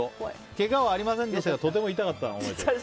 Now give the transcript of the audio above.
けがはありませんでしたがとても痛かったのを覚えています。